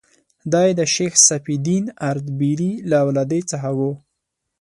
دی د شیخ صفي الدین اردبیلي له اولادې څخه و.